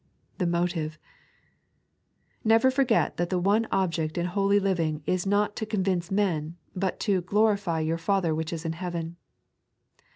The Motive. Never forget that the one object in Holy living is not to convince men, but to " glorify your Father which is in Heaven."